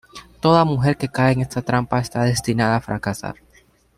Toda mujer que cae en esta trampa está destinada a fracasar.